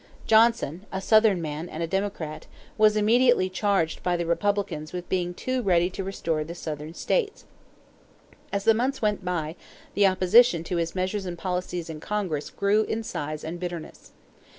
Johnson, a Southern man and a Democrat, was immediately charged by the Republicans with being too ready to restore the Southern states. As the months went by, the opposition to his measures and policies in Congress grew in size and bitterness.